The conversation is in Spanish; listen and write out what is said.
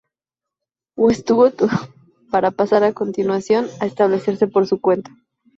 Westwood, para pasar a continuación a establecerse por su cuenta.